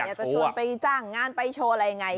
จะชวนไปจ้างงานไปโชว์อะไรยังไง